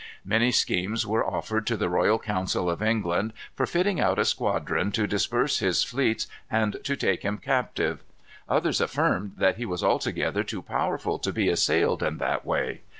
Many schemes were offered to the royal council of England for fitting out a squadron to disperse his fleets and to take him captive. Others affirmed that he was altogether too powerful to be assailed in that way.